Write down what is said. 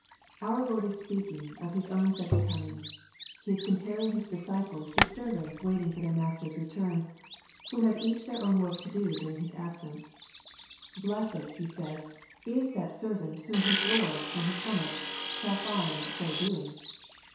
Our Lord is speaking of His own Becond coming. He is comparing His disciples, to ser vants waiting for their master's return, who have each dieir own work to do during His absence. '' Blessed,*'' 90 EXPOSITORY THOUGHTS. He says, "is that servant, whom his lord, when li6 Cometh, shall find so doing.''